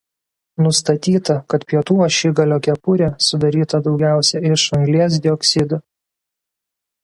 Nustatyta kad pietų ašigalio „kepurė“ sudaryta daugiausia iš anglies dioksido.